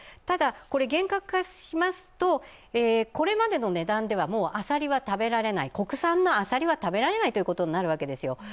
ただ、厳格化しますとこれまでの値段ではもうアサリは食べられない、国産のアサリは食べられないということになるわけですよ。